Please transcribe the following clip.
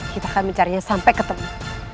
kita akan mencarinya sampai ketemu